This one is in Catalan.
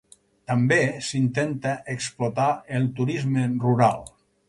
També s'intenta explotar el turisme rural.